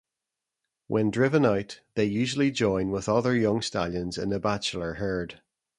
When driven out, they usually join with other young stallions in a bachelor herd.